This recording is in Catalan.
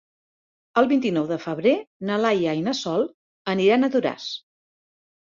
El vint-i-nou de febrer na Laia i na Sol aniran a Toràs.